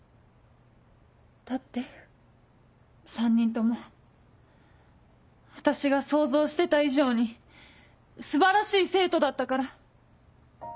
だって３人とも私が想像してた以上に素晴らしい生徒だったから。